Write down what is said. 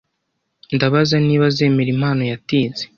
Ndabaza niba azemera impano yatinze.